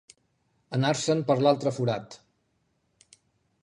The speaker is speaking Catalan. Anar-se'n per l'altre forat.